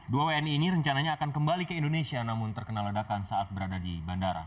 dua wni ini rencananya akan kembali ke indonesia namun terkena ledakan saat berada di bandara